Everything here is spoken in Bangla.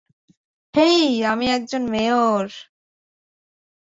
হেই, আমি একজন মেয়র।